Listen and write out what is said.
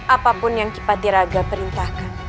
apapun yang kipati raga perintahkan